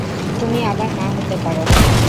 তুমি আবার মা হতে পারো।